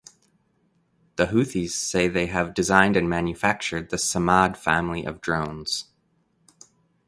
The Houthis say they have designed and manufactured the Samad family of drones.